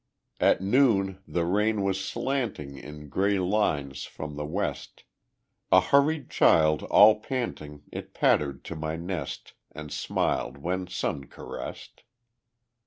At noon the rain was slanting In gray lines from the west; A hurried child all panting It pattered to my nest, And smiled when sun caressed.